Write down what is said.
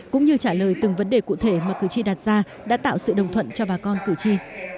cũng như trả lời từng vấn đề cụ thể mà cử tri đặt ra đã tạo sự đồng thuận cho bà con cử tri